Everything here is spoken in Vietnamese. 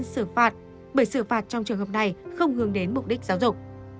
xử phạt bởi xử phạt trong trường hợp này không hướng đến mục đích giáo dục